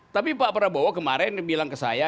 tapi pak prabowo kemarin bilang ke saya